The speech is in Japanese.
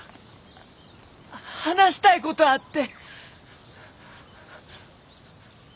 話したいことあって。